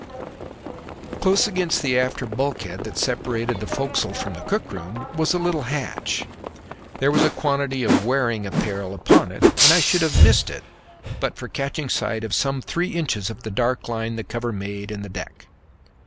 Close against the after bulkhead that separated the forecastle from the cook room was a little hatch. There was a quantity of wearing apparel upon it, and I should have missed it but for catching sight of some three inches of the dark line the cover made in the deck.